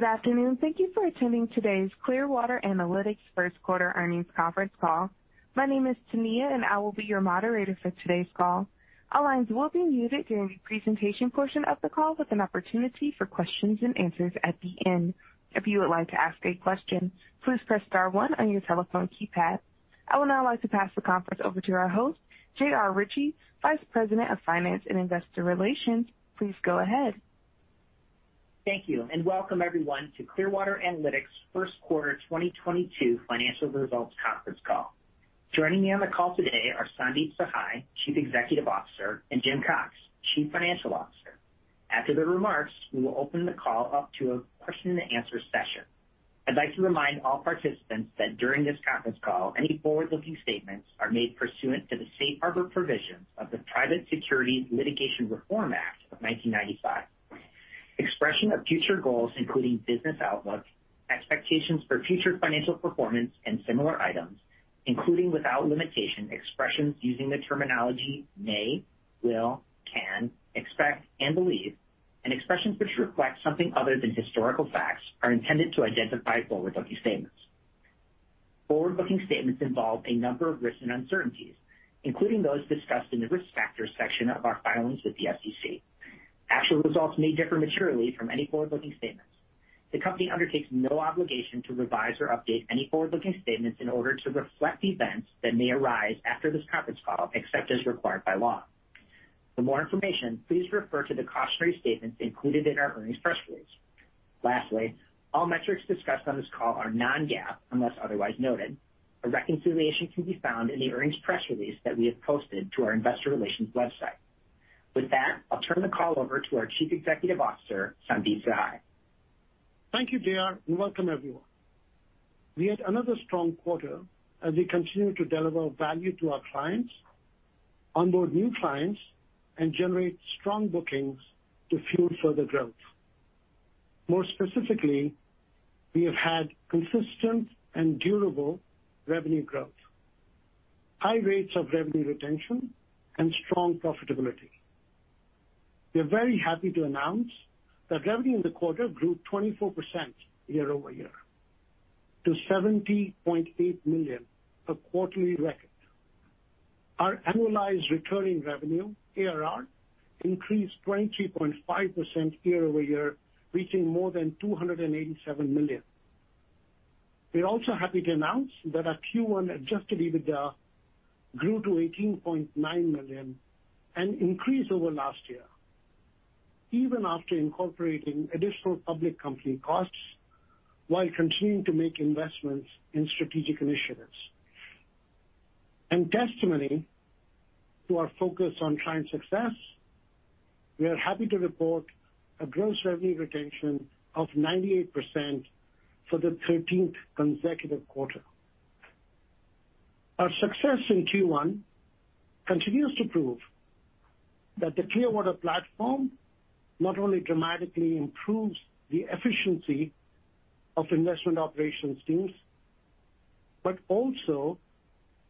Good afternoon. Thank you for attending today's Clearwater Analytics First Quarter Earnings Conference Call. My name is Tania, and I will be your moderator for today's call. All lines will be muted during the presentation portion of the call with an opportunity for questions and answers at the end. If you would like to ask a question, please press star one on your telephone keypad. I would now like to pass the conference over to our host, JR Ritchie, Vice President of Finance and Investor Relations. Please go ahead. Thank you, and welcome everyone to Clearwater Analytics' First Quarter 2022 Financial Results Conference Call. Joining me on the call today are Sandeep Sahai, Chief Executive Officer, and Jim Cox, Chief Financial Officer. After their remarks, we will open the call up to a question and answer session. I'd like to remind all participants that during this conference call, any forward-looking statements are made pursuant to the Safe Harbor provisions of the Private Securities Litigation Reform Act of 1995. Expression of future goals, including business outlook, expectations for future financial performance and similar items, including without limitation expressions using the terminology may, will, can, expect and believe, and expressions which reflect something other than historical facts, are intended to identify forward-looking statements. Forward-looking statements involve a number of risks and uncertainties, including those discussed in the Risk Factors section of our filings with the SEC. Actual results may differ materially from any forward-looking statements. The company undertakes no obligation to revise or update any forward-looking statements in order to reflect events that may arise after this conference call, except as required by law. For more information, please refer to the cautionary statements included in our earnings press release. Lastly, all metrics discussed on this call are non-GAAP unless otherwise noted. A reconciliation can be found in the earnings press release that we have posted to our investor relations website. With that, I'll turn the call over to our Chief Executive Officer, Sandeep Sahai. Thank you, JR, and welcome everyone. We had another strong quarter as we continue to deliver value to our clients, onboard new clients, and generate strong bookings to fuel further growth. More specifically, we have had consistent and durable revenue growth, high rates of revenue retention, and strong profitability. We're very happy to announce that revenue in the quarter grew 24% year-over-year to $70.8 million, a quarterly record. Our annualized recurring revenue, ARR, increased 23.5% year-over-year, reaching more than $287 million. We're also happy to announce that our Q1 adjusted EBITDA grew to $18.9 million, an increase over last year, even after incorporating additional public company costs while continuing to make investments in strategic initiatives. Testimony to our focus on client success, we are happy to report a gross revenue retention of 98% for the 13th consecutive quarter. Our success in Q1 continues to prove that the Clearwater platform not only dramatically improves the efficiency of investment operations teams, but also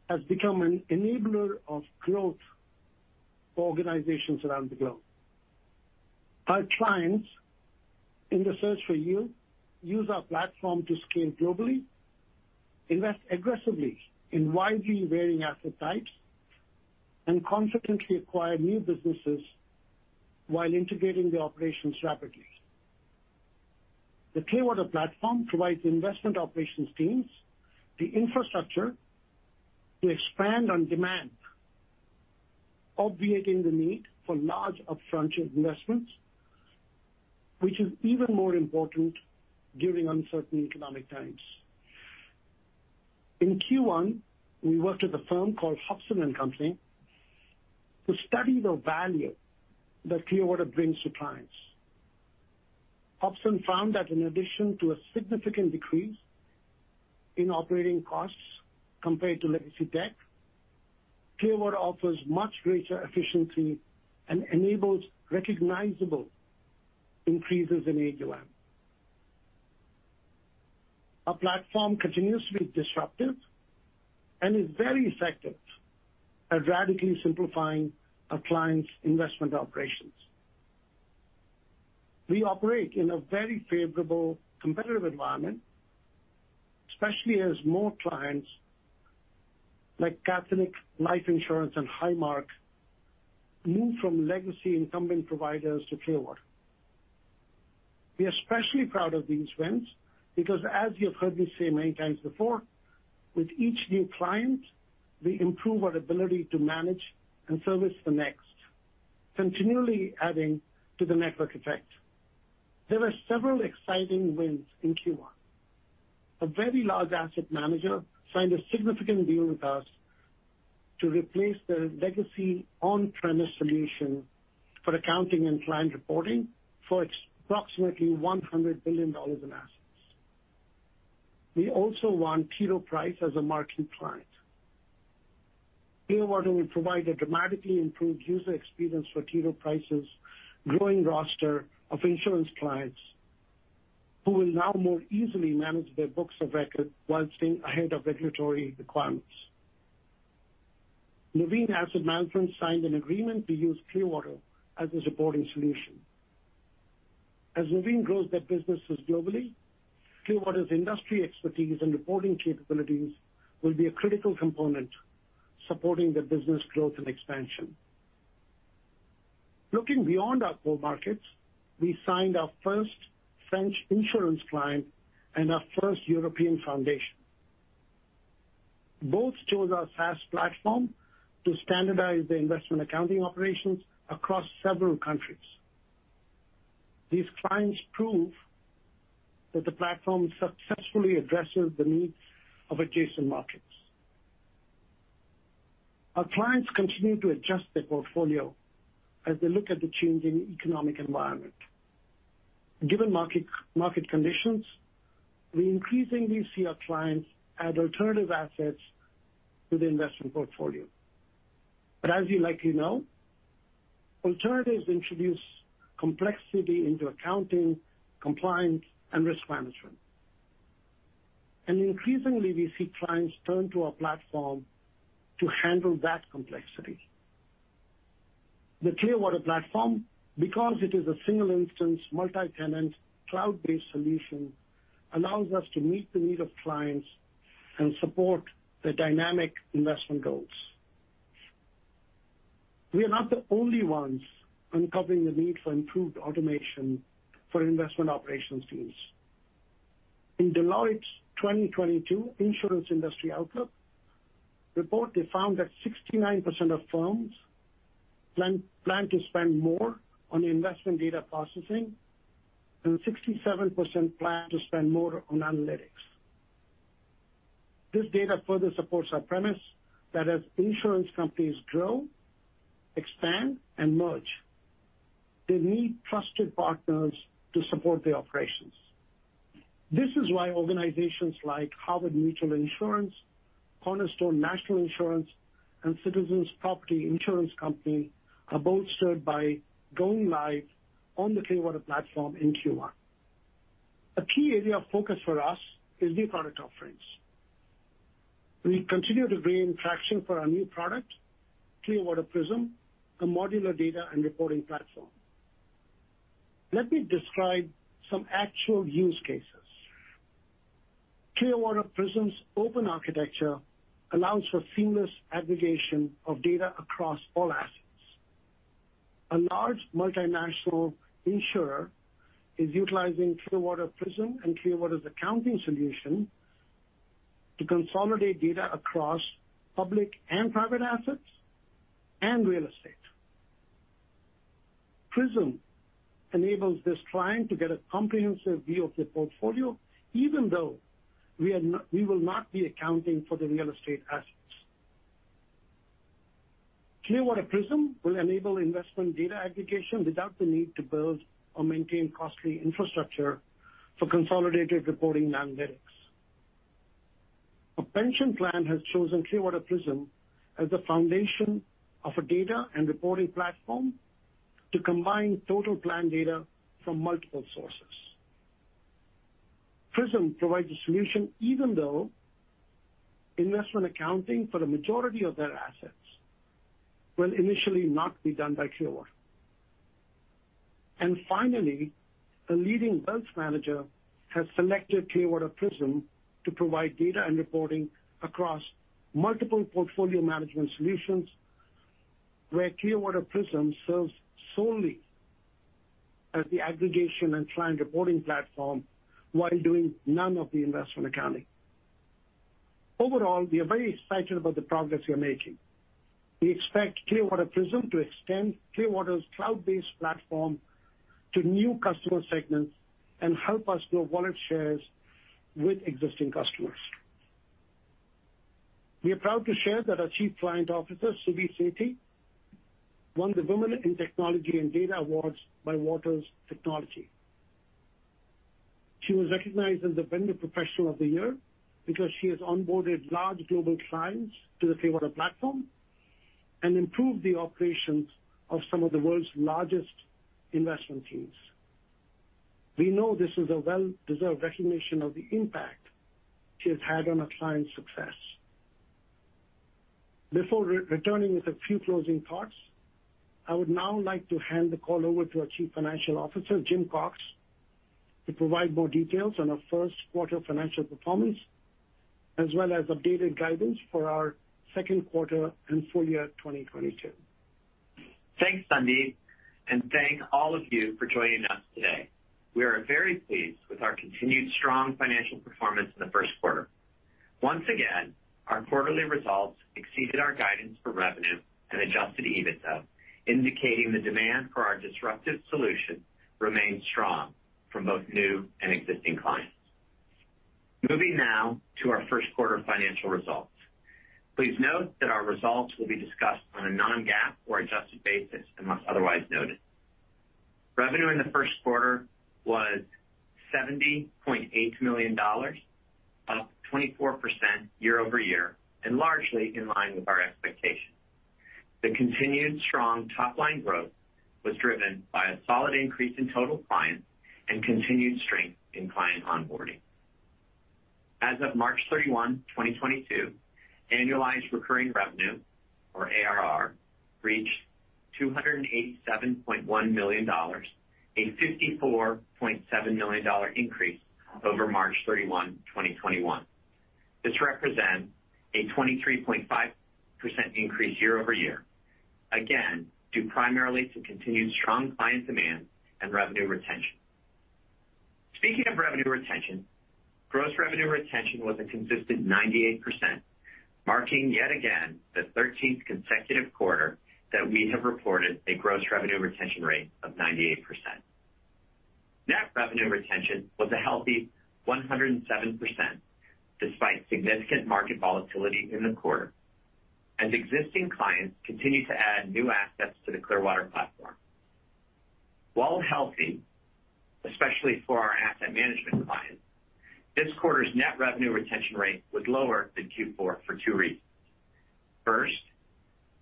has become an enabler of growth for organizations around the globe. Our clients, in the search for yield, use our platform to scale globally, invest aggressively in widely varying asset types, and consequently acquire new businesses while integrating the operations rapidly. The Clearwater platform provides investment operations teams the infrastructure to expand on demand, obviating the need for large upfront investments, which is even more important during uncertain economic times. In Q1, we worked with a firm called Hobson & Company to study the value that Clearwater brings to clients. Hobson found that in addition to a significant decrease in operating costs compared to legacy tech, Clearwater offers much greater efficiency and enables recognizable increases in AUM. Our platform continues to be disruptive and is very effective at radically simplifying our clients' investment operations. We operate in a very favorable competitive environment, especially as more clients like Catholic Life Insurance and Highmark move from legacy incumbent providers to Clearwater. We're especially proud of these wins because as you have heard me say many times before, with each new client, we improve our ability to manage and service the next, continually adding to the network effect. There are several exciting wins in Q1. A very large asset manager signed a significant deal with us to replace their legacy on-premise solution for accounting and client reporting for approximately $100 billion in assets. We also won T. Rowe Price as a market client. Clearwater will provide a dramatically improved user experience for T. Rowe Price's growing roster of insurance clients, who will now more easily manage their books of record while staying ahead of regulatory requirements. Nuveen Asset Management signed an agreement to use Clearwater as a supporting solution. As Nuveen grows their businesses globally, Clearwater's industry expertise and reporting capabilities will be a critical component supporting their business growth and expansion. Looking beyond our core markets, we signed our first French insurance client and our first European foundation. Both chose our SaaS platform to standardize their investment accounting operations across several countries. These clients prove that the platform successfully addresses the needs of adjacent markets. Our clients continue to adjust their portfolio as they look at the changing economic environment. Given market conditions, we increasingly see our clients add alternative assets to the investment portfolio. As you likely know, alternatives introduce complexity into accounting, compliance, and risk management. Increasingly, we see clients turn to our platform to handle that complexity. The Clearwater platform, because it is a single instance, multi-tenant, cloud-based solution, allows us to meet the need of clients and support their dynamic investment goals. We are not the only ones uncovering the need for improved automation for investment operations teams. In Deloitte's 2022 Insurance Industry Outlook Report, they found that 69% of firms plan to spend more on investment data processing, and 67% plan to spend more on analytics. This data further supports our premise that as insurance companies grow, expand, and merge, they need trusted partners to support their operations. This is why organizations like Harford Mutual Insurance Group, Cornerstone National Insurance Company, and Citizens Property Insurance Corporation are bolstered by going live on the Clearwater platform in Q1. A key area of focus for us is new product offerings. We continue to gain traction for our new product, Clearwater Prism, a modular data and reporting platform. Let me describe some actual use cases. Clearwater Prism's open architecture allows for seamless aggregation of data across all assets. A large multinational insurer is utilizing Clearwater Prism and Clearwater's accounting solution to consolidate data across public and private assets and real estate. Prism enables this client to get a comprehensive view of their portfolio, even though we will not be accounting for the real estate assets. Clearwater Prism will enable investment data aggregation without the need to build or maintain costly infrastructure for consolidated reporting and analytics. A pension plan has chosen Clearwater Prism as the foundation of a data and reporting platform to combine total plan data from multiple sources. Prism provides a solution even though investment accounting for the majority of their assets will initially not be done by Clearwater. Finally, a leading wealth manager has selected Clearwater Prism to provide data and reporting across multiple portfolio management solutions, where Clearwater Prism serves solely as the aggregation and client reporting platform while doing none of the investment accounting. Overall, we are very excited about the progress we are making. We expect Clearwater Prism to extend Clearwater's cloud-based platform to new customer segments and help us grow wallet shares with existing customers. We are proud to share that our Chief Client Officer, Subi Sethi, won the Women in Technology and Data Awards by WatersTechnology. She was recognized as the vendor professional of the year because she has onboarded large global clients to the Clearwater platform and improved the operations of some of the world's largest investment teams. We know this is a well-deserved recognition of the impact she has had on our clients' success. Before returning with a few closing thoughts, I would now like to hand the call over to our Chief Financial Officer, Jim Cox, to provide more details on our first quarter financial performance, as well as updated guidance for our second quarter and full-year 2022. Thanks, Sandeep, and thank all of you for joining us today. We are very pleased with our continued strong financial performance in the first quarter. Once again, our quarterly results exceeded our guidance for revenue and adjusted EBITDA, indicating the demand for our disruptive solution remains strong from both new and existing clients. Moving now to our first quarter financial results. Please note that our results will be discussed on a non-GAAP or adjusted basis unless otherwise noted. Revenue in the first quarter was $70.8 million, up 24% year-over-year and largely in line with our expectations. The continued strong top-line growth was driven by a solid increase in total clients and continued strength in client onboarding. As of March 31, 2022, annualized recurring revenue, or ARR, reached $287.1 million, a $54.7 million increase over March 31, 2021. This represents a 23.5% increase year-over-year, again, due primarily to continued strong client demand and revenue retention. Speaking of revenue retention, gross revenue retention was a consistent 98%, marking yet again the 13th consecutive quarter that we have reported a gross revenue retention rate of 98%. Net revenue retention was a healthy 107% despite significant market volatility in the quarter as existing clients continue to add new assets to the Clearwater platform. While healthy, especially for our asset management clients, this quarter's net revenue retention rate was lower than Q4 for two reasons. First,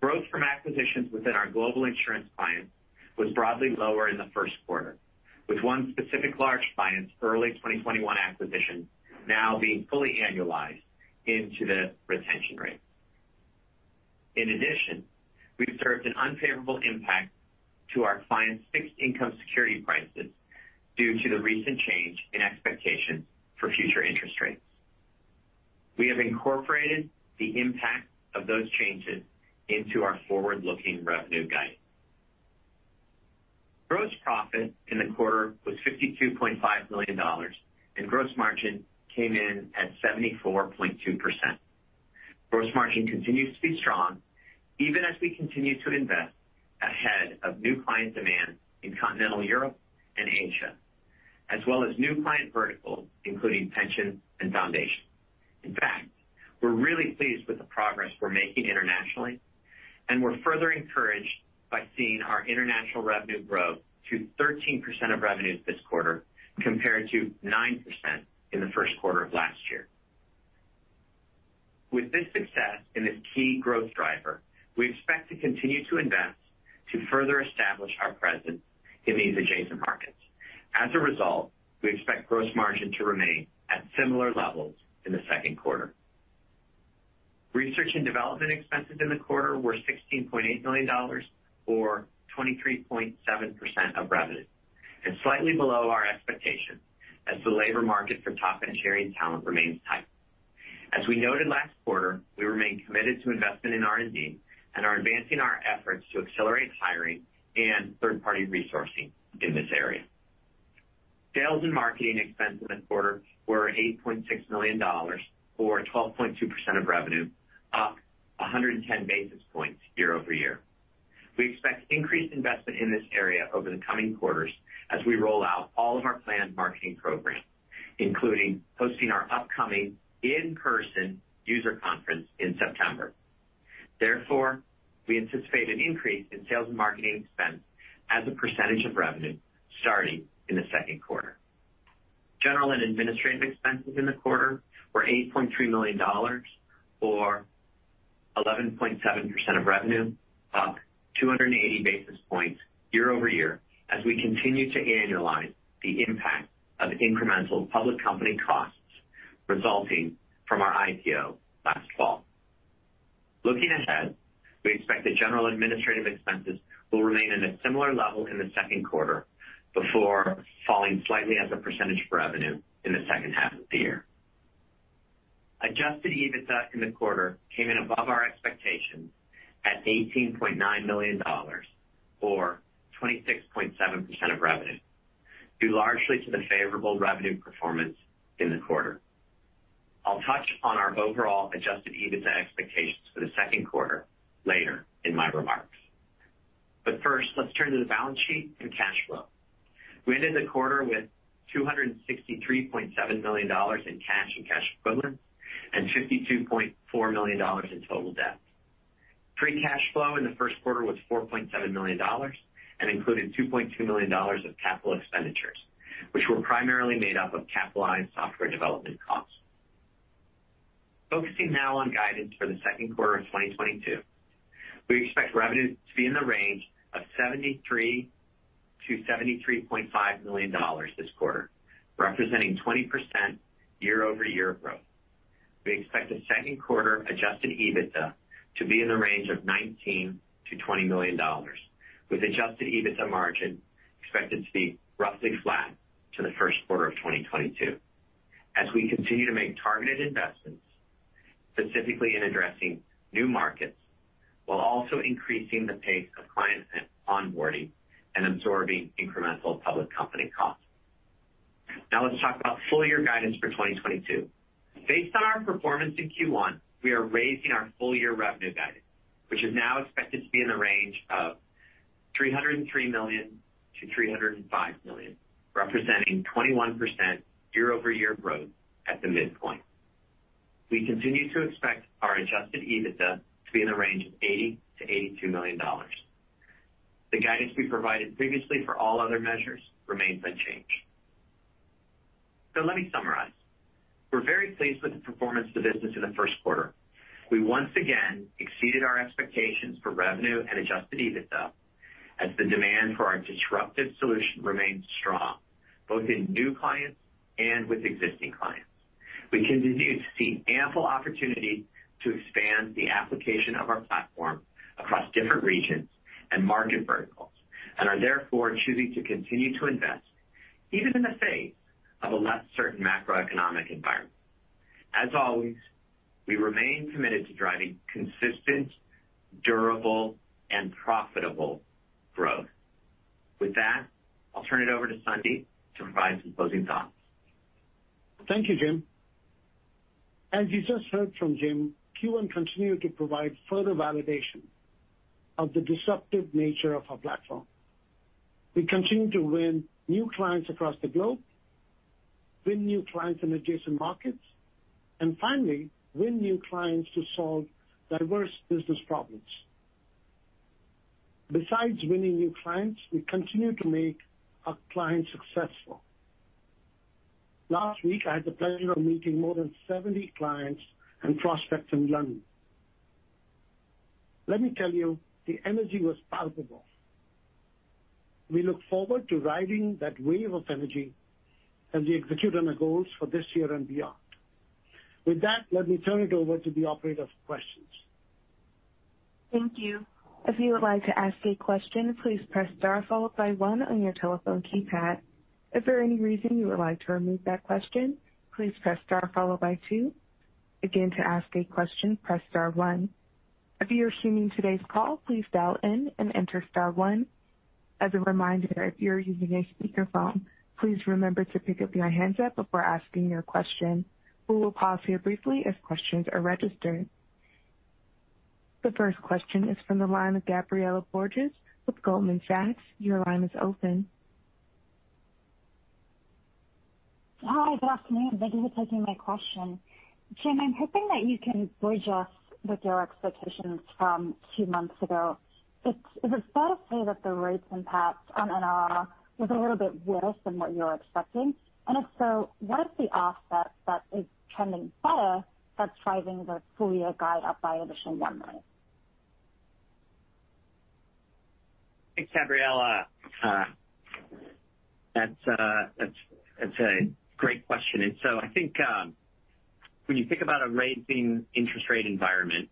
growth from acquisitions within our global insurance clients was broadly lower in the first quarter, with one specific large client's early 2021 acquisition now being fully annualized into the retention rate. In addition, we observed an unfavorable impact to our clients' fixed income security prices due to the recent change in expectations for future interest rates. We have incorporated the impact of those changes into our forward-looking revenue guidance. Gross profit in the quarter was $52.5 million, and gross margin came in at 74.2%. Gross margin continues to be strong even as we continue to invest ahead of new client demand in continental Europe and Asia, as well as new client verticals, including pension and foundation. In fact, we're really pleased with the progress we're making internationally, and we're further encouraged by seeing our international revenue grow to 13% of revenues this quarter compared to 9% in the first quarter of last year. With this success in this key growth driver, we expect to continue to invest to further establish our presence in these adjacent markets. As a result, we expect gross margin to remain at similar levels in the second quarter. Research and development expenses in the quarter were $16.8 million or 23.7% of revenue and slightly below our expectations as the labor market for top engineering talent remains tight. As we noted last quarter, we remain committed to investment in R&D and are advancing our efforts to accelerate hiring and third-party resourcing in this area. Sales and marketing expenses in the quarter were $8.6 million or 12.2% of revenue, up 110 basis points year-over-year. We expect increased investment in this area over the coming quarters as we roll out all of our planned marketing programs, including hosting our upcoming in-person user conference in September. Therefore, we anticipate an increase in sales and marketing expense as a percentage of revenue starting in the second quarter. General and administrative expenses in the quarter were $8.3 million or 11.7% of revenue, up 280 basis points year-over-year as we continue to annualize the impact of incremental public company costs resulting from our IPO last fall. Looking ahead, we expect the general administrative expenses will remain in a similar level in the second quarter before falling slightly as a percentage of revenue in the second half of the year. Adjusted EBITDA in the quarter came in above our expectations at $18.9 million or 26.7% of revenue, due largely to the favorable revenue performance in the quarter. I'll touch on our overall adjusted EBITDA expectations for the second quarter later in my remarks. First, let's turn to the balance sheet and cash flow. We ended the quarter with $263.7 million in cash and cash equivalents and $52.4 million in total debt. Free cash flow in the first quarter was $4.7 million and included $2.2 million of capital expenditures, which were primarily made up of capitalized software development costs. Focusing now on guidance for the second quarter of 2022. We expect revenue to be in the range of $73-$73.5 million this quarter, representing 20% year-over-year growth. We expect the second quarter adjusted EBITDA to be in the range of $19-$20 million, with adjusted EBITDA margin expected to be roughly flat to the first quarter of 2022 as we continue to make targeted investments, specifically in addressing new markets while also increasing the pace of client onboarding and absorbing incremental public company costs. Now let's talk about full year guidance for 2022. Based on our performance in Q1, we are raising our full-year revenue guidance, which is now expected to be in the range of $303 million-$305 million, representing 21% year-over-year growth at the midpoint. We continue to expect our adjusted EBITDA to be in the range of $80-$82 million. The guidance we provided previously for all other measures remains unchanged. Let me summarize. We're very pleased with the performance of the business in the first quarter. We once again exceeded our expectations for revenue and adjusted EBITDA. As the demand for our disruptive solution remains strong, both in new clients and with existing clients. We continue to see ample opportunity to expand the application of our platform across different regions and market verticals and are therefore choosing to continue to invest even in the face of a less certain macroeconomic environment. As always, we remain committed to driving consistent, durable and profitable growth. With that, I'll turn it over to Sandeep to provide some closing thoughts. Thank you, Jim. As you just heard from Jim, Q1 continued to provide further validation of the disruptive nature of our platform. We continue to win new clients across the globe, win new clients in adjacent markets, and finally, win new clients to solve diverse business problems. Besides winning new clients, we continue to make our clients successful. Last week, I had the pleasure of meeting more than 70 clients and prospects in London. Let me tell you, the energy was palpable. We look forward to riding that wave of energy as we execute on our goals for this year and beyond. With that, let me turn it over to the operator for questions. Thank you. If you would like to ask a question, please press star followed by one on your telephone keypad. If for any reason you would like to remove that question, please press star followed by two. Again, to ask a question, press star one. If you are hearing today's call, please dial in and enter star one. As a reminder, if you're using a speakerphone, please remember to pick up your handset before asking your question. We will pause here briefly if questions are registered. The first question is from the line of Gabriela Borges with Goldman Sachs. Your line is open. Hi, good afternoon. Thank you for taking my question. Jim, I'm hoping that you can bridge us with your expectations from two months ago. Is it fair to say that the rates impact on NRR was a little bit worse than what you're expecting? If so, what is the offset that is trending better that's driving the full year guide up by an additional $1 million? Thanks, Gabriela. That's a great question. I think when you think about a rising interest rate environment.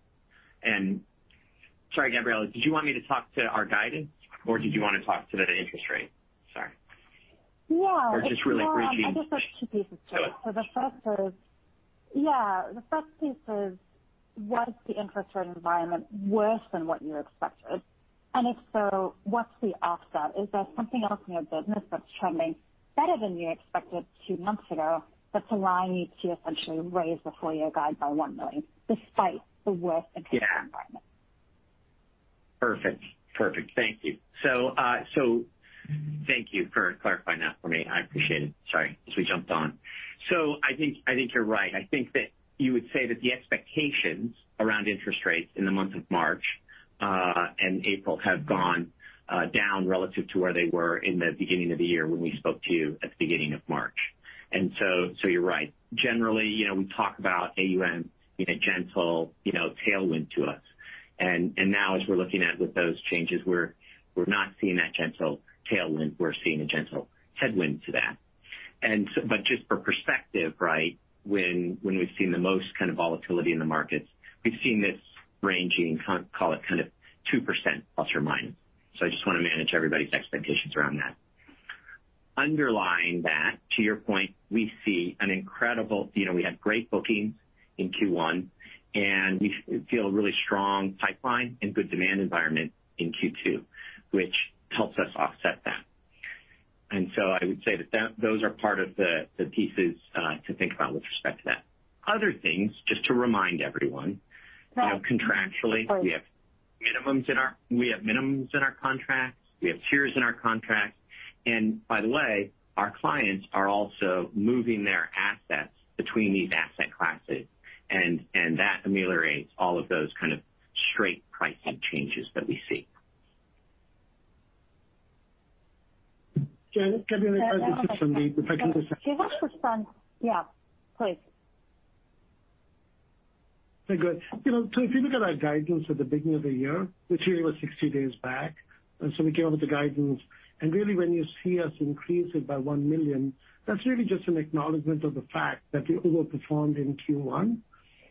Sorry, Gabriela, did you want me to talk to our guidance or did you want to talk to the interest rate? Sorry. Yeah. Just really briefly. I guess there's two pieces to it. Sure. The first piece is, was the interest rate environment worse than what you expected? And if so, what's the offset? Is there something else in your business that's trending better than you expected two months ago that's allowing you to essentially raise the full year guide by $1 million despite the worse interest rate environment? Perfect. Thank you. So thank you for clarifying that for me. I appreciate it. Sorry, as we jumped on. I think you're right. I think that you would say that the expectations around interest rates in the month of March and April have gone down relative to where they were in the beginning of the year when we spoke to you at the beginning of March. You're right. Generally, you know, we talk about AUM being a gentle, you know, tailwind to us. Now as we're looking at with those changes, we're not seeing that gentle tailwind, we're seeing a gentle headwind to that. Just for perspective, right? When we've seen the most kind of volatility in the markets, we've seen this ranging, call it kind of ±2%. I just wanna manage everybody's expectations around that. Underlying that, to your point, we see an incredible, you know, we had great bookings in Q1, and we feel really strong pipeline and good demand environment in Q2, which helps us offset that. I would say that those are part of the pieces to think about with respect to that. Other things, just to remind everyone. Right. You know, contractually. Of course. We have minimums in our contracts, we have tiers in our contracts. By the way, our clients are also moving their assets between these asset classes and that ameliorates all of those kind of straight price head changes that we see. Gabriela, can I just add something? Yeah. Sure. Yeah, please. Very good. You know, so if you look at our guidance at the beginning of the year, which really was 60 days back, and so we came up with the guidance, and really when you see us increase it by $1 million, that's really just an acknowledgment of the fact that we overperformed in Q1.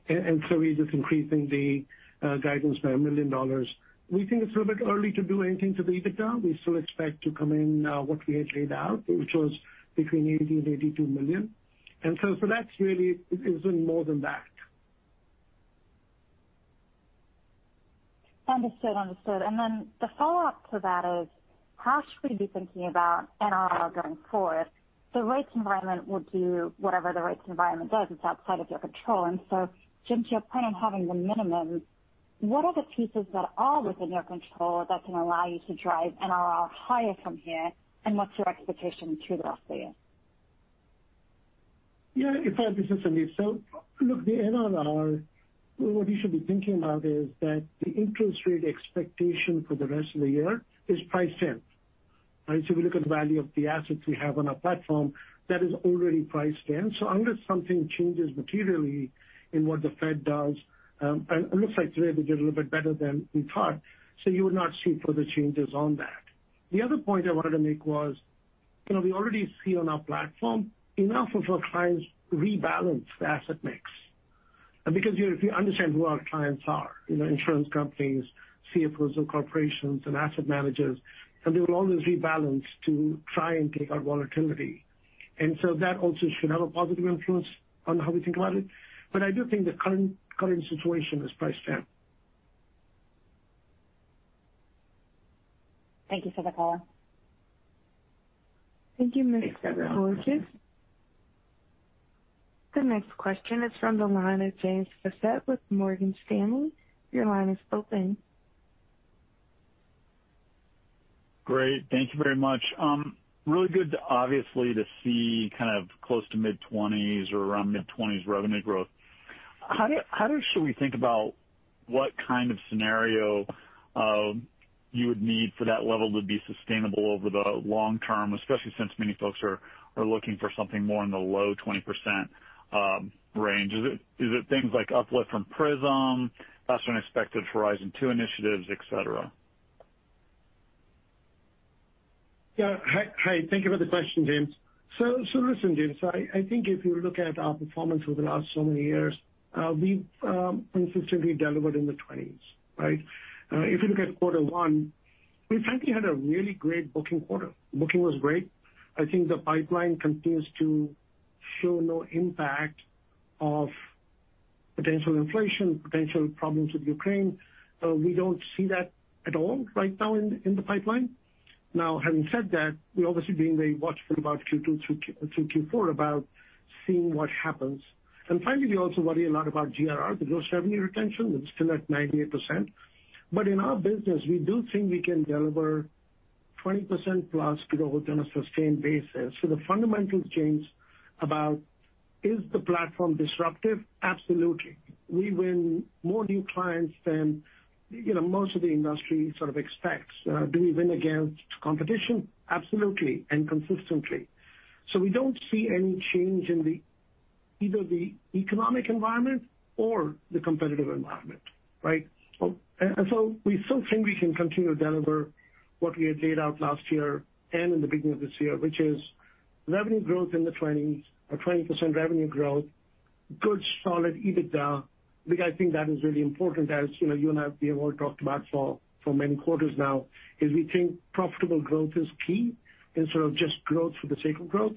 And so we're just increasing the guidance by $1 million. We think it's a little bit early to do anything to the EBITDA. We still expect to come in what we had laid out, which was between $80-$82 million. So that's really it. It isn't more than that. Understood, understood. The follow-up to that is, how should we be thinking about NRR going forward? The rates environment will do whatever the rates environment does. It's outside of your control. Jim, to your point on having the minimums, what are the pieces that are within your control that can allow you to drive NRR higher from here, and what's your expectation through the rest of the year? Yeah, in fact, this is Sandeep. Look, the NRR, what you should be thinking about is that the interest rate expectation for the rest of the year is priced in. We look at the value of the assets we have on our platform that is already priced in. Unless something changes materially in what the Fed does, and it looks like today we did a little bit better than we thought, so you would not see further changes on that. The other point I wanted to make was, you know, we already see on our platform enough of our clients rebalance the asset mix. Because you, if you understand who our clients are, you know, insurance companies, CFOs of corporations, and asset managers, and they will always rebalance to try and take out volatility. That also should have a positive influence on how we think about it. I do think the current situation is priced in. Thank you for the call. Thank you, Miss Gabriela. The next question is from the line of James Faucette with Morgan Stanley. Your line is open. Great. Thank you very much. Really good, obviously, to see kind of close to mid-20s or around mid-20s revenue growth. Should we think about what kind of scenario you would need for that level to be sustainable over the long term, especially since many folks are looking for something more in the low 20% range? Is it things like uplift from Prism, faster than expected Horizon Two initiatives, etc? Yeah. Hey. Thank you for the question, James. Listen, James, I think if you look at our performance over the last so many years, we've consistently delivered in the 20s, right? If you look at quarter one, we frankly had a really great booking quarter. Booking was great. I think the pipeline continues to show no impact of potential inflation, potential problems with Ukraine. We don't see that at all right now in the pipeline. Now, having said that, we're obviously being very watchful about Q2 through Q4 about seeing what happens. Finally, we also worry a lot about GRR, the gross revenue retention. That's still at 98%. In our business, we do think we can deliver 20%+ growth on a sustained basis. The fundamentals change about is the platform disruptive? Absolutely. We win more new clients than, you know, most of the industry sort of expects. Do we win against competition? Absolutely and consistently. We don't see any change in either the economic environment or the competitive environment, right? We still think we can continue to deliver what we had laid out last year and in the beginning of this year, which is revenue growth in the 20s or 20% revenue growth, good solid EBITDA, because I think that is really important. As you know, you and I, we have all talked about for many quarters now, is we think profitable growth is key instead of just growth for the sake of growth.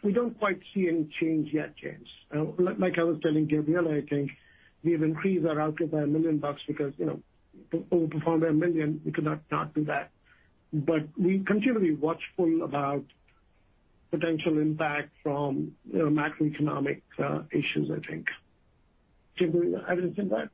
We don't quite see any change yet, James. Like I was telling Gabriela, I think we've increased our output by $1 million because, you know, overperformed by $1 million, we could not do that. We continue to be watchful about potential impact from, you know, macroeconomic issues, I think. Jim, would you add anything to that?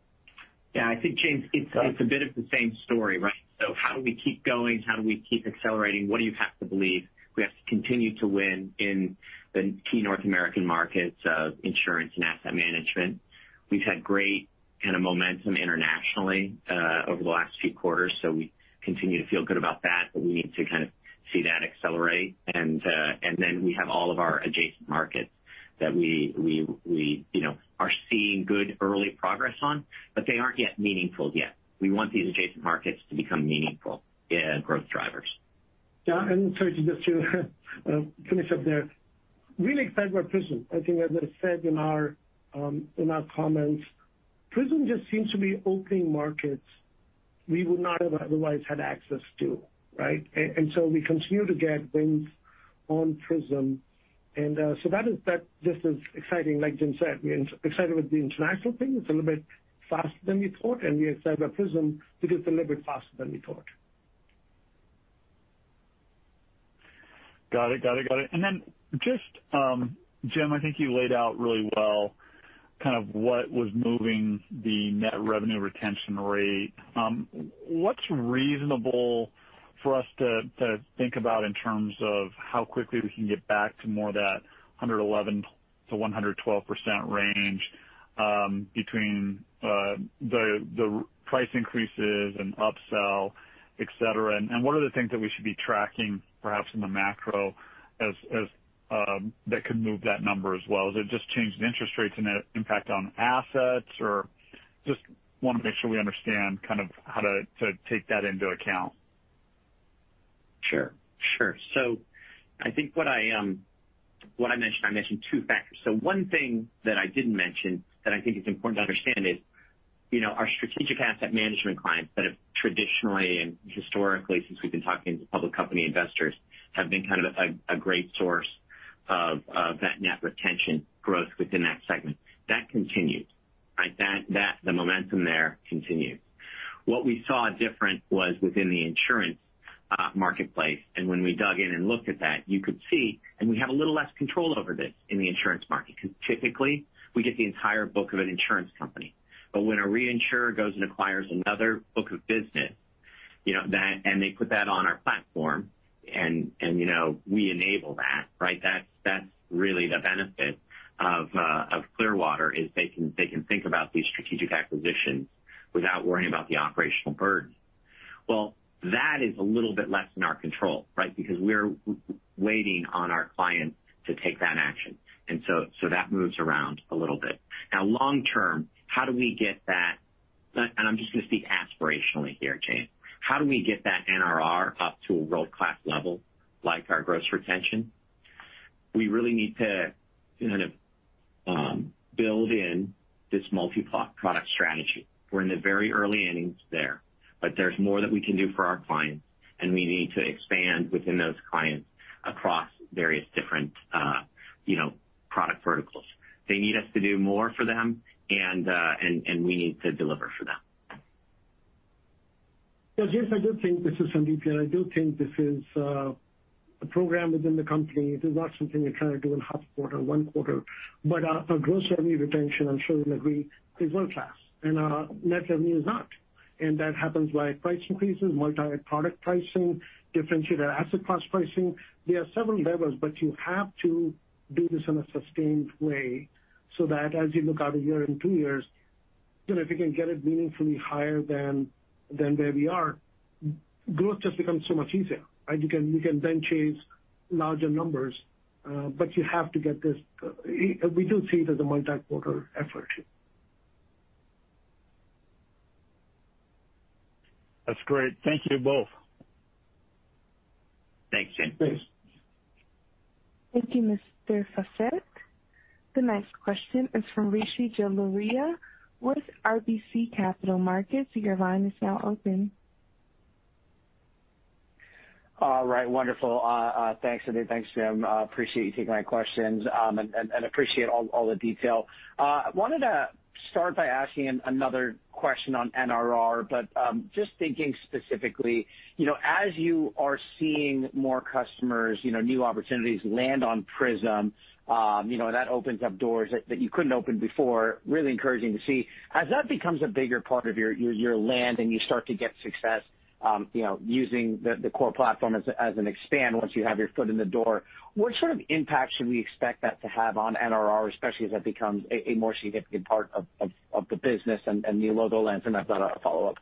Yeah. I think, James, it's a bit of the same story, right? How do we keep going? How do we keep accelerating? What do you have to believe? We have to continue to win in the key North American markets of insurance and asset management. We've had great kind of momentum internationally over the last few quarters, so we continue to feel good about that, but we need to kind of see that accelerate. We have all of our adjacent markets that we you know are seeing good early progress on, but they aren't yet meaningful yet. We want these adjacent markets to become meaningful growth drivers. Yeah. Sorry, just to finish up there. Really excited about Prism. I think, as I said in our comments, Prism just seems to be opening markets we would not have otherwise had access to, right? We continue to get wins on Prism. That's just as exciting. Like Jim said, we're excited with the international thing. It's a little bit faster than we thought, and we are excited about Prism because it's a little bit faster than we thought. Got it. Just, Jim, I think you laid out really well kind of what was moving the net revenue retention rate. What's reasonable for us to think about in terms of how quickly we can get back to more that 111%-112% range, between the price increases and upsell, etc? What are the things that we should be tracking perhaps in the macro as that could move that number as well? Is it just changes in interest rates and the impact on assets? Or just wanna make sure we understand kind of how to take that into account. Sure. I think what I mentioned, I mentioned two factors. One thing that I didn't mention that I think is important to understand is, you know, our strategic asset management clients that have traditionally and historically since we've been talking to public company investors have been kind of a great source of that net retention growth within that segment. That continues, right? That the momentum there continues. What we saw different was within the insurance marketplace. When we dug in and looked at that, you could see and we have a little less control over this in the insurance market 'cause typically, we get the entire book of an insurance company. When a reinsurer goes and acquires another book of business, you know, that and they put that on our platform. And you know, we enable that, right? That's really the benefit of Clearwater is they can think about these strategic acquisitions without worrying about the operational burden. Well, that is a little bit less in our control, right? Because we're waiting on our clients to take that action. That moves around a little bit. Now long-term, how do we get that. I'm just gonna speak aspirationally here, James How do we get that NRR up to a world-class level like our gross retention? We really need to kind of build in this multi-product strategy. We're in the very early innings there, but there's more that we can do for our clients, and we need to expand within those clients across various different, you know, product verticals. They need us to do more for them, and we need to deliver for them. Yeah, James, I do think. This is Sandeep, and I do think this is a program within the company. This is not something you kind of do in half quarter, one quarter. Our gross revenue retention, I'm sure you'll agree, is world-class, and our net revenue retention is not. That happens via price increases, multi-product pricing, differentiated asset class pricing. There are several levers, but you have to do this in a sustained way so that as you look out a year and two years, you know, if you can get it meaningfully higher than where we are, growth just becomes so much easier, right? You can then chase larger numbers, but you have to get this. We do see it as a multi-quarter effort. That's great. Thank you both. Thanks, James. Thanks. Thank you, Mr. Faucette. The next question is from Rishi Jaluria with RBC Capital Markets. Your line is now open. All right. Wonderful. Thanks, Sandeep. Thanks, Jim. Appreciate you taking my questions, and appreciate all the detail. Wanted to start by asking another question on NRR, but just thinking specifically, you know, as you are seeing more customers, you know, new opportunities land on Prism, you know, and that opens up doors that you couldn't open before, really encouraging to see. As that becomes a bigger part of your land and you start to get success, you know, using the core platform to expand once you have your foot in the door, what sort of impact should we expect that to have on NRR, especially as that becomes a more significant part of the business and new logo lands? I've got a follow-up.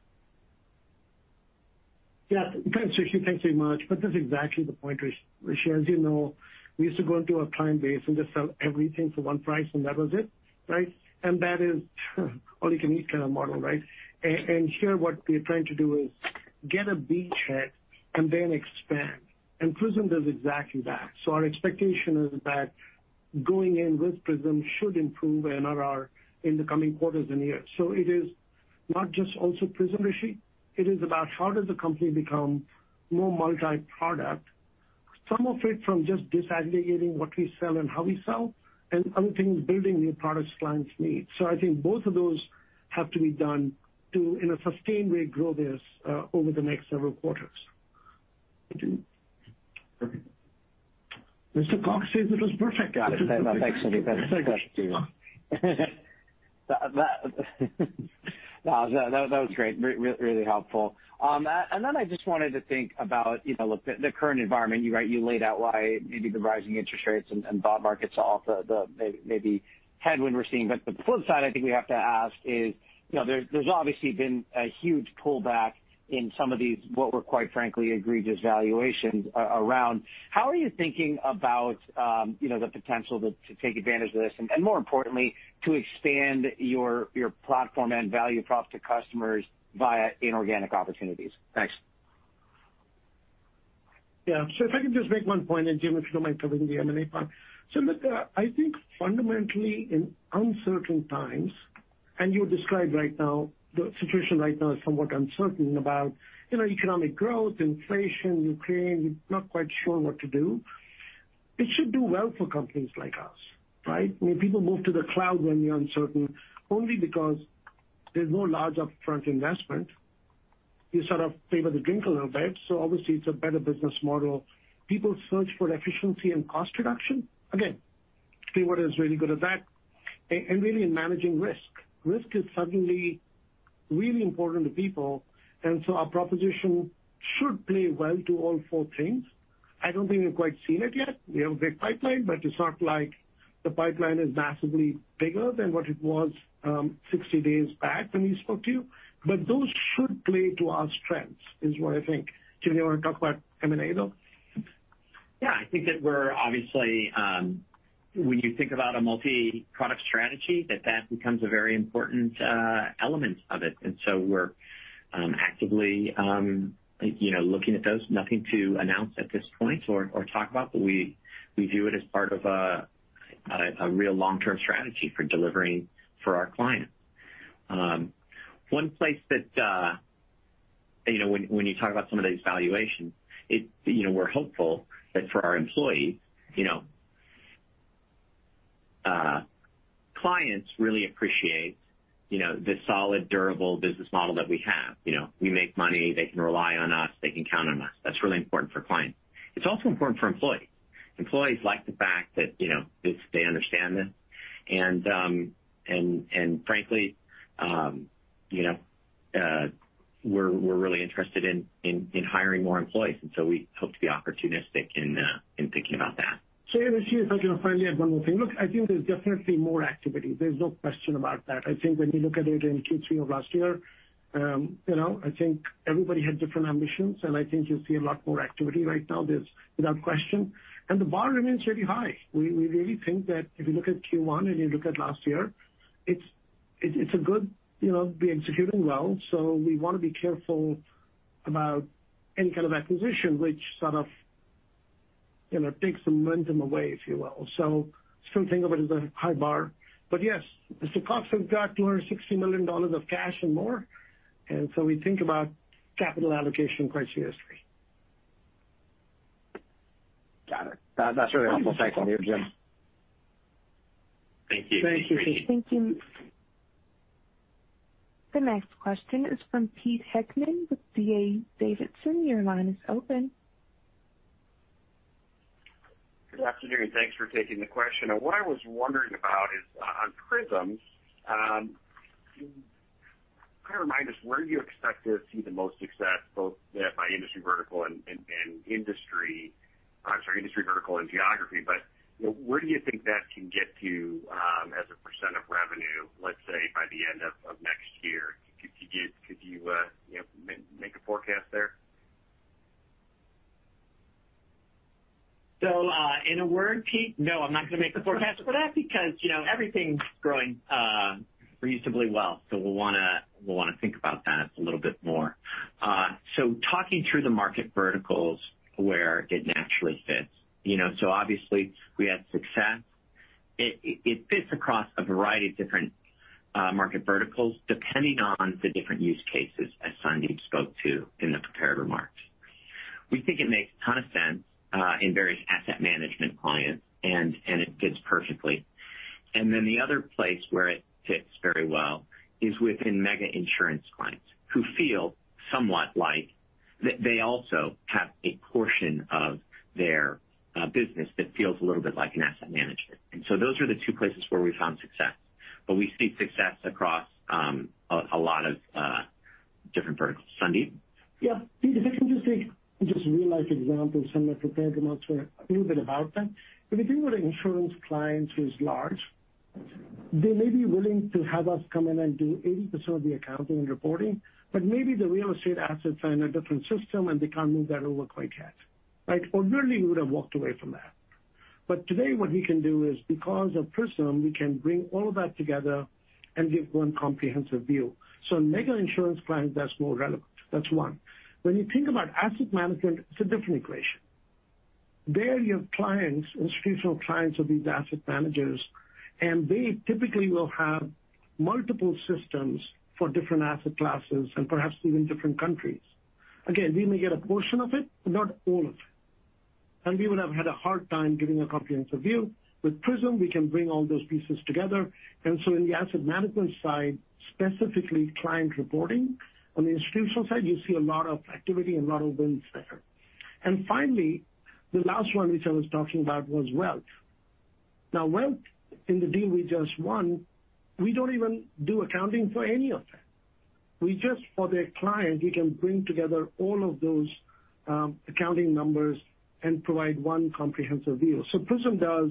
Yeah. Thanks, Rishi. Thanks very much. That's exactly the point, Rishi. As you know, we used to go into our client base and just sell everything for one price, and that was it, right? That is all you can eat kind of model, right? Here what we're trying to do is get a beachhead and then expand, and Prism does exactly that. Our expectation is that going in with Prism should improve NRR in the coming quarters and years. It is not just also Prism, Rishi. It is about how does the company become more multi-product, some of it from just disaggregating what we sell and how we sell, and other things, building new products clients need. I think both of those have to be done to, in a sustained way, grow this over the next several quarters. Perfect. Mr. Cox says it was perfect. Yeah. No, thanks, Sandeep. That's very kind of you. No, that was great. Really helpful. And then I just wanted to think about, you know, the current environment. You right, you laid out why maybe the rising interest rates and bond markets are also the maybe headwind we're seeing. The flip side, I think we have to ask is, you know, there's obviously been a huge pullback in some of these, what were quite frankly egregious valuations around. How are you thinking about, you know, the potential to take advantage of this and more importantly, to expand your platform and value props to customers via inorganic opportunities? Thanks. Yeah. If I can just make one point, and Jim, if you don't mind covering the M&A part. Look, I think fundamentally in uncertain times, as you described, the situation right now is somewhat uncertain about, you know, economic growth, inflation, Ukraine, not quite sure what to do. It should do well for companies like us, right? I mean, people move to the cloud when you're uncertain only because there's no large upfront investment. You sort of favor the trickle event, so obviously it's a better business model. People search for efficiency and cost reduction. Again, Clearwater is really good at that. And really in managing risk. Risk is suddenly really important to people, and so our proposition should play well to all four things. I don't think we've quite seen it yet. We have a big pipeline, but it's not like the pipeline is massively bigger than what it was, 60 days back when we spoke to you. Those should play to our strengths, is what I think. Jim, you wanna talk about M&A though? Yeah. I think that we're obviously when you think about a multi-product strategy, that becomes a very important element of it. We're actively you know, looking at those. Nothing to announce at this point or talk about, but we view it as part of a real long-term strategy for delivering for our clients. One place that you know when you talk about some of these valuations, you know, we're hopeful that for our employees, you know clients really appreciate, you know, the solid, durable business model that we have. You know, we make money. They can rely on us. They can count on us. That's really important for clients. It's also important for employees. Employees like the fact that, you know, this they understand this. Frankly, you know, we're really interested in hiring more employees, and so we hope to be opportunistic in thinking about that. Yeah, this year, if I can finally add one more thing. Look, I think there's definitely more activity. There's no question about that. I think when you look at it in Q3 of last year, you know, I think everybody had different ambitions, and I think you'll see a lot more activity right now. There's without question. The bar remains very high. We really think that if you look at Q1 and you look at last year, it's a good, you know, we're executing well, so we wanna be careful about any kind of acquisition which sort of, you know, takes the momentum away, if you will. Still think of it as a high bar. Yes, as to costs, we've got $260 million of cash and more, and so we think about capital allocation quite seriously. Got it. That, that's really helpful. Thank you, Jim. Thank you, Rishi. Thank you, Rishi. Thank you. The next question is from Pete Heckmann with D.A. Davidson. Your line is open. Good afternoon, thanks for taking the question. What I was wondering about is on Prism, kind of remind us where you expect to see the most success, both by industry vertical and geography, but you know, where do you think that can get to, as a percentage of revenue, let's say, by the end of next year? Could you you know, make a forecast there? In a word, Pete, no, I'm not gonna make a forecast for that because, you know, everything's growing reasonably well. We'll wanna think about that a little bit more. Talking through the market verticals where it naturally fits. You know, obviously we had success. It fits across a variety of different market verticals, depending on the different use cases, as Sandeep spoke to in the prepared remarks. We think it makes a ton of sense in various asset management clients, and it fits perfectly. Then the other place where it fits very well is within mega insurance clients who feel somewhat like they also have a portion of their business that feels a little bit like an asset management. Those are the two places where we found success, but we see success across a lot of different verticals. Sandeep? Yeah. Pete, if I can just take real life examples from my prepared remarks for a little bit about that. If you think of an insurance client who's large, they may be willing to have us come in and do 80% of the accounting and reporting, but maybe the real estate assets are in a different system, and they can't move that over quite yet, right? Formerly, we would have walked away from that. Today what we can do is, because of Prism, we can bring all of that together and give one comprehensive view. Mega insurance clients, that's more relevant. That's one. When you think about asset management, it's a different equation. There you have clients, institutional clients of these asset managers, and they typically will have multiple systems for different asset classes and perhaps even different countries. Again, we may get a portion of it, but not all of it. We would have had a hard time giving a comprehensive view. With Prism, we can bring all those pieces together. In the asset management side, specifically client reporting, on the institutional side, you see a lot of activity and a lot of wins there. Finally, the last one, which I was talking about was wealth. Now wealth in the deal we just won, we don't even do accounting for any of that. We just, for their client, we can bring together all of those accounting numbers and provide one comprehensive view. Prism does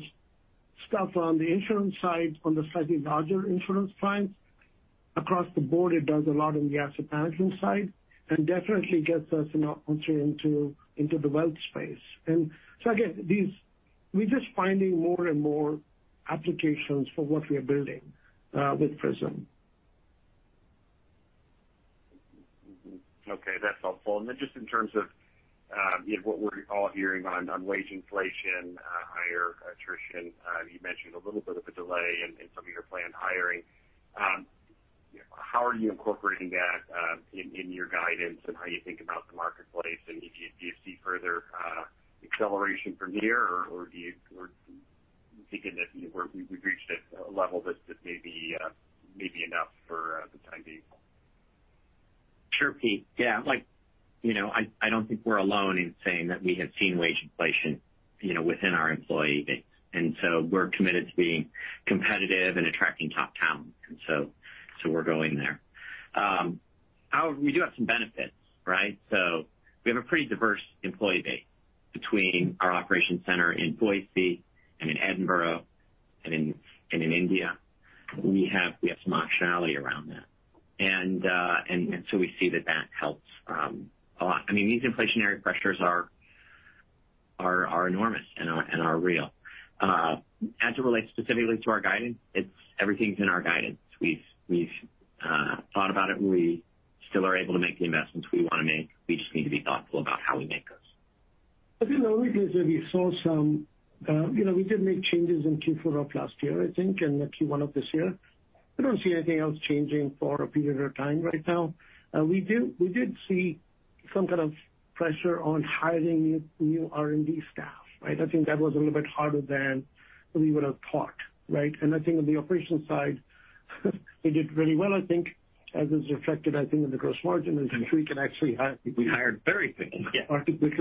stuff on the insurance side, on the slightly larger insurance clients. Across the board, it does a lot on the asset management side and definitely gets us an opportunity into the wealth space. Again, these, we're just finding more and more applications for what we are building with Prism. Okay, that's helpful. Then just in terms of, you know, what we're all hearing on wage inflation, higher attrition, you mentioned a little bit of a delay in some of your planned hiring. How are you incorporating that in your guidance and how you think about the marketplace? Do you see further acceleration from here or thinking that we've reached a level that's just maybe enough for the time being? Sure, Pete. Yeah. Like, you know, I don't think we're alone in saying that we have seen wage inflation, you know, within our employee base, and so we're committed to being competitive and attracting top talent. We're going there. We do have some benefits, right? We have a pretty diverse employee base between our operation center in Boise and in Edinburgh and in India. We have some optionality around that. We see that helps a lot. I mean, these inflationary pressures are enormous and are real. As it relates specifically to our guidance, it's everything's in our guidance. We've thought about it. We still are able to make the investments we wanna make. We just need to be thoughtful about how we make those. I think over the years that we saw some, you know, we did make changes in Q4 of last year, I think, and Q1 of this year. I don't see anything else changing for a period of time right now. We did see some kind of pressure on hiring new R&D staff, right? I think that was a little bit harder than we would have thought, right? I think on the operations side, we did really well, I think. As is reflected, I think, in the gross margin, and I'm sure we can actually hire people. We hired very quickly. Yeah. Particularly.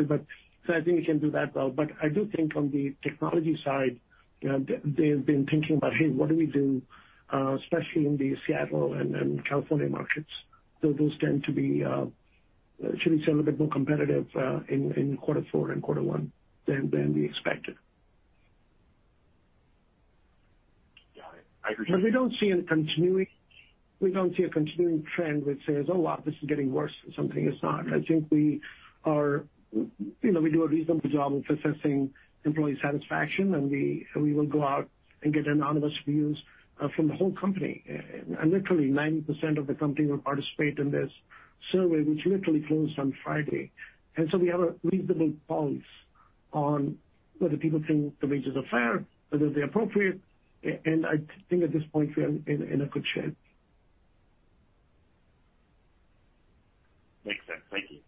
I think we can do that well. I do think on the technology side, you know, they've been thinking about, hey, what do we do, especially in the Seattle and California markets. Those tend to be, should we say, a little bit more competitive in quarter four and quarter one than we expected. Yeah, I agree. We don't see a continuing trend which says, oh, wow, this is getting worse or something. It's not. I think we are, you know, we do a reasonable job of assessing employee satisfaction, and we will go out and get anonymous views from the whole company. And literally 90% of the company will participate in this survey, which literally closed on Friday. We have a reasonable pulse on whether people think the wages are fair, whether they're appropriate. I think at this point, we are in a good shape. Makes sense. Thank you.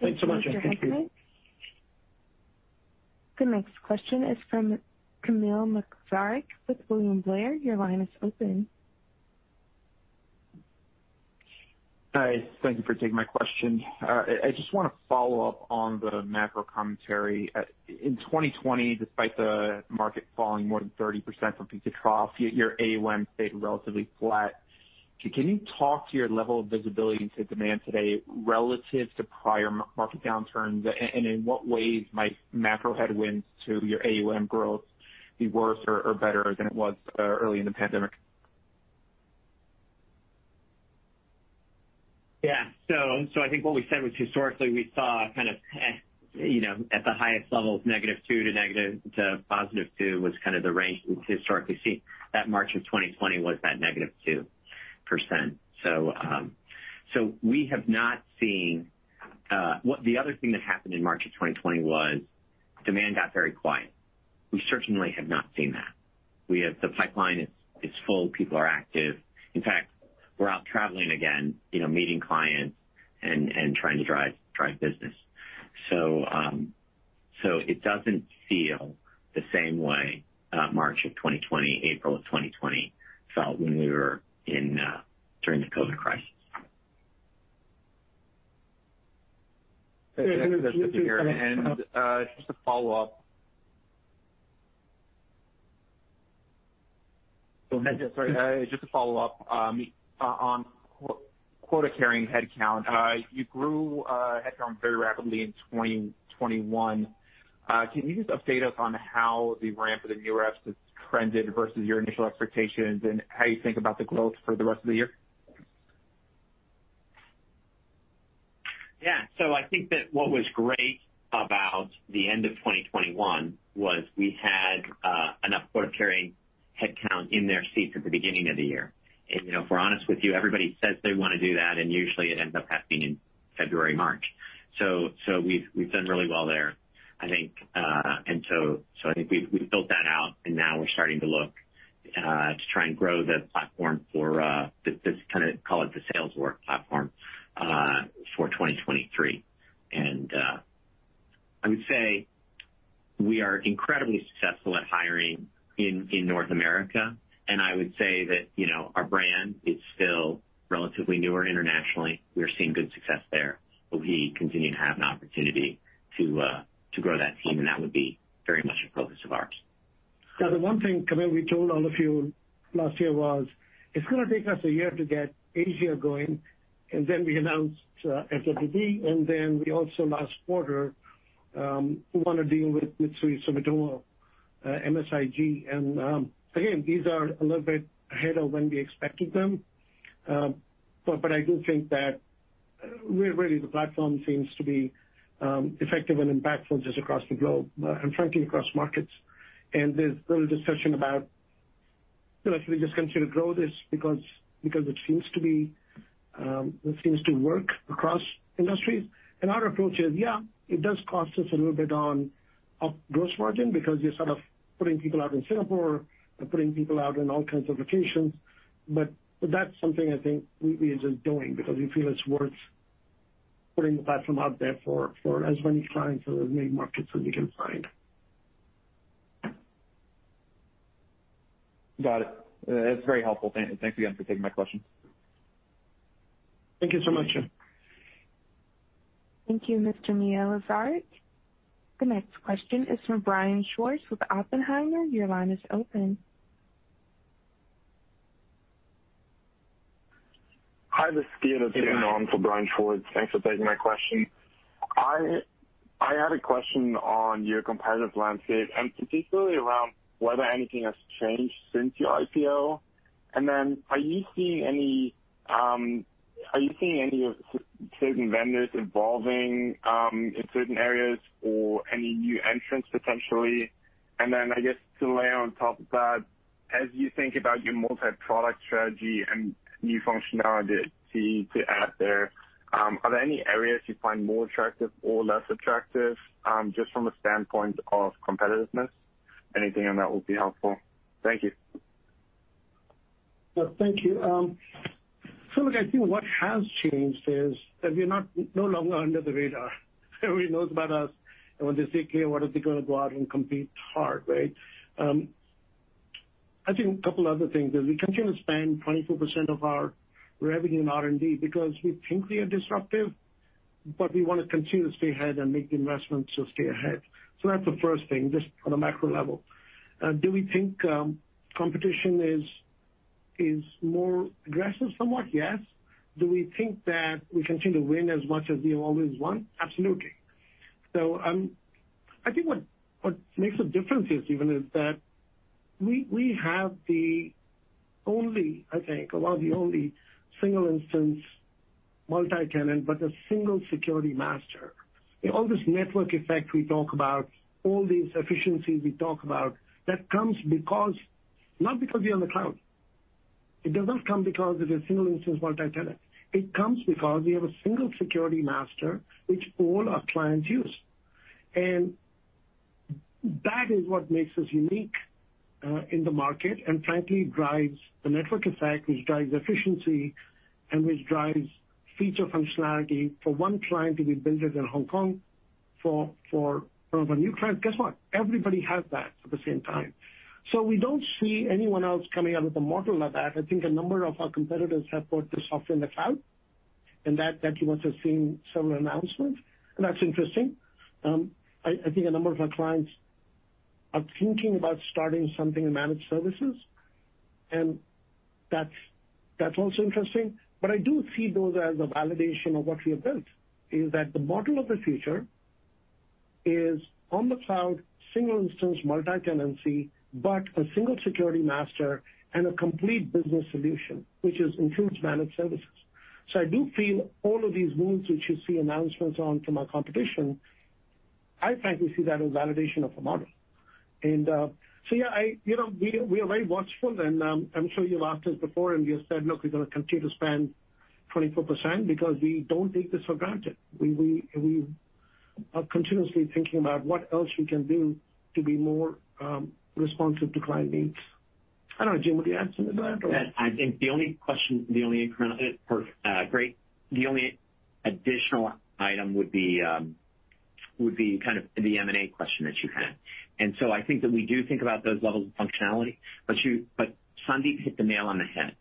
Thanks so much. Thank you, Mr. Heckmann. The next question is from Kamil Mielczarek with William Blair. Your line is open. Hi. Thank you for taking my question. I just wanna follow-up on the macro commentary. In 2020, despite the market falling more than 30% from peak to trough, your AUM stayed relatively flat. Can you talk to your level of visibility into demand today relative to prior market downturns? In what ways might macro headwinds to your AUM growth be worse or better than it was early in the pandemic? Yeah. I think what we said was historically, we saw kind of, you know, at the highest level -2% to +2% was kind of the range we've historically seen. That March of 2020 was that -2%. We have not seen. The other thing that happened in March of 2020 was demand got very quiet. We certainly have not seen that. The pipeline is full. People are active. In fact, we're out traveling again, you know, meeting clients and trying to drive business. It doesn't feel the same way March of 2020, April of 2020 felt when we were in during the COVID crisis. Just to follow-up. Sorry. Just to follow-up on quota carrying headcount. You grew headcount very rapidly in 2021. Can you just update us on how the ramp of the new reps has trended versus your initial expectations and how you think about the growth for the rest of the year? Yeah. I think that what was great about the end of 2021 was we had enough quota-carrying headcount in their seats at the beginning of the year. You know, if we're honest with you, everybody says they wanna do that, and usually it ends up happening in February, March. We've done really well there, I think. I think we've built that out, and now we're starting to look to try and grow the platform for this kind of call it the sales org platform for 2023. I would say we are incredibly successful at hiring in North America. I would say that, you know, our brand is still relatively newer internationally. We're seeing good success there. We continue to have an opportunity to grow that team, and that would be very much a focus of ours. Now, the one thing, Kamil, we told all of you last year was it's gonna take us a year to get Asia going, and then we announced FWD, and then we also last quarter won a deal with Mitsui Sumitomo, MSIG. Again, these are a little bit ahead of when we expected them. But I do think that we're really the platform seems to be effective and impactful just across the globe, and frankly, across markets. There's little discussion about, you know, should we just continue to grow this because it seems to be, it seems to work across industries. Our approach is, yeah, it does cost us a little bit on up gross margin because you're sort of putting people out in Singapore and putting people out in all kinds of locations. That's something I think we enjoy doing because we feel it's worth putting the platform out there for as many clients or as many markets as we can find. Got it. That's very helpful. Thanks again for taking my question. Thank you so much. Thank you, Mr. Kamil Mielczarek. The next question is from Brian Schwartz with Oppenheimer. Your line is open. Hi, this is. Yeah. For Brian Schwartz. Thanks for taking my question. I had a question on your competitive landscape, and particularly around whether anything has changed since your IPO. Are you seeing any of certain vendors evolving in certain areas or any new entrants potentially? I guess to layer on top of that, as you think about your multi-product strategy and new functionality to add there, are there any areas you find more attractive or less attractive, just from a standpoint of competitiveness? Anything on that would be helpful. Thank you. No, thank you. So look, I think what has changed is that we're no longer under the radar. Everybody knows about us, and when they think here, what if they're gonna go out and compete hard, right? I think a couple other things is we continue to spend 24% of our revenue in R&D because we think we are disruptive, but we wanna continue to stay ahead and make the investments to stay ahead. That's the first thing, just on a macro level. Do we think competition is more aggressive? Somewhat, yes. Do we think that we continue to win as much as we have always won? Absolutely. I think what makes a difference is even that we have the only, I think, or one of the only single-instance, multi-tenant, but a single security master. All this network effect we talk about, all these efficiencies we talk about that comes because not because we're on the cloud. It does not come because it's a single instance multi-tenant. It comes because we have a single security master which all our clients use. That is what makes us unique in the market, and frankly, drives the network effect, which drives efficiency and which drives feature functionality for one client to be built in Hong Kong for one of our new clients. Guess what? Everybody has that at the same time. We don't see anyone else coming out with a model like that. I think a number of our competitors have put the software in the cloud, and that you must have seen several announcements, and that's interesting. I think a number of our clients are thinking about starting something in managed services, and that's also interesting. I do see those as a validation of what we have built, is that the model of the future is on the cloud, single instance, multi-tenancy, but a single security master and a complete business solution, which includes managed services. I do feel all of these moves which you see announcements on from our competition. I frankly see that as validation of the model. You know, we are very watchful and, I'm sure you've asked us before and we have said, "Look, we're gonna continue to spend 24% because we don't take this for granted." We are continuously thinking about what else we can do to be more responsive to client needs. I don't know, Jim, would you add to that or? I think the only question, the only additional item would be kind of the M&A question that you had. I think that we do think about those levels of functionality, but Sandeep hit the nail on the head.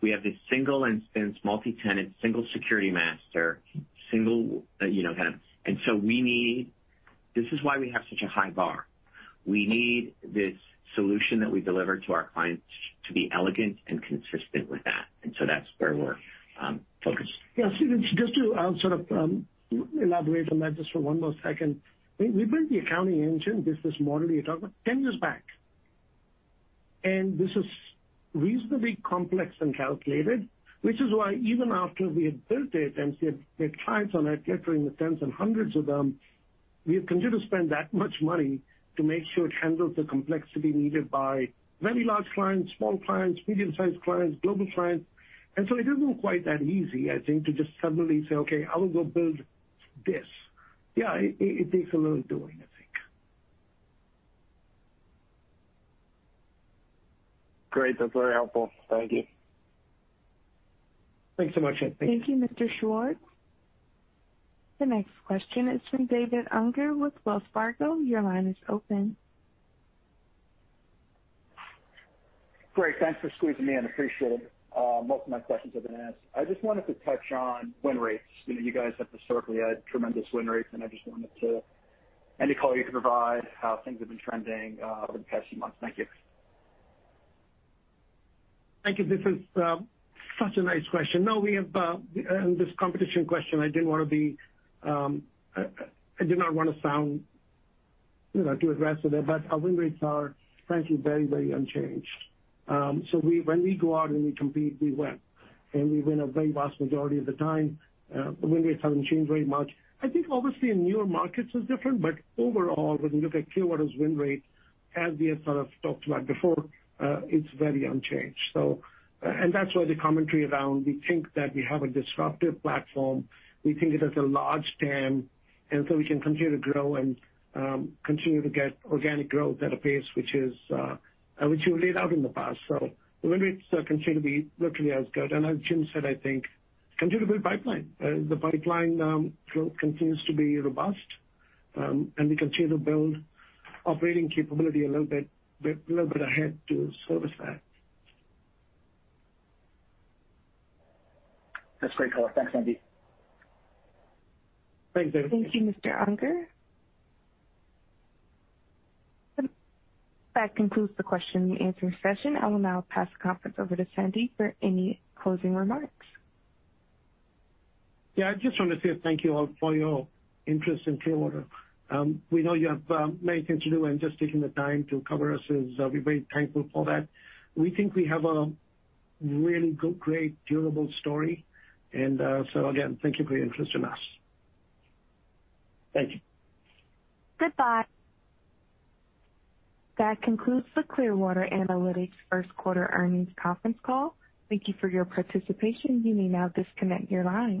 We have this single-instance, multi-tenant, single security master. This is why we have such a high bar. We need this solution that we deliver to our clients to be elegant and consistent with that. That's where we're focused. Yeah. So just to sort of elaborate on that just for one more second. We built the accounting engine business model you're talking about 10 years back, and this is reasonably complex and calculated, which is why even after we had built it and we had clients on it numbering in the tens and hundreds of them, we continue to spend that much money to make sure it handles the complexity needed by many large clients, small clients, medium-sized clients, global clients. It isn't quite that easy, I think, to just suddenly say, "Okay, I will go build this." Yeah. It takes a little doing, I think. Great. That's very helpful. Thank you. Thanks so much. Yeah. Thank you. Thank you, Mr. Schwartz. The next question is from David Unger with Wells Fargo. Your line is open. Great. Thanks for squeezing me in. Appreciate it. Most of my questions have been asked. I just wanted to touch on win rates. You know, you guys have historically had tremendous win rates, and I just wondered if any color you can provide on how things have been trending over the past few months. Thank you. Thank you. This is such a nice question. No, this is a competition question. I did not want to sound, you know, too aggressive there. Our win rates are frankly very unchanged. When we go out and we compete, we win a very vast majority of the time. The win rates haven't changed very much. I think obviously in newer markets it's different, but overall, when you look at Clearwater's win rate, as we have sort of talked about before, it's very unchanged. That's why the commentary around we think that we have a disruptive platform. We think it has a large TAM, and so we can continue to grow and continue to get organic growth at a pace which we laid out in the past. The win rates continue to be virtually as good. As Jim said, I think continue to build pipeline. The pipeline growth continues to be robust, and we continue to build operating capability a little bit ahead to service that. That's great color. Thanks, Sandeep. Thanks, David. Thank you, Mr. Unger. That concludes the question and answer session. I will now pass the conference over to Sandeep for any closing remarks. Yeah. I just wanna say thank you all for your interest in Clearwater. We know you have many things to do and just taking the time to cover us is. We're very thankful for that. We think we have a really good, great durable story. Again, thank you for your interest in us. Thank you. Goodbye. That concludes the Clearwater Analytics First Quarter Earnings Conference Call. Thank you for your participation. You may now disconnect your line.